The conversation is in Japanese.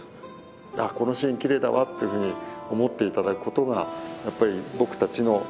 あっこのシーンきれいだわっていうふうに思っていただくことがやっぱり僕たちの喜びにもなってると思います。